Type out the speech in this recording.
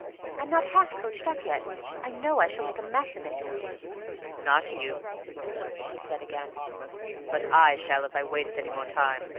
"I'm not half coached up yet! I know I shall make a mess of it!" "Not you," he said again, "but I shall if I waste any more time.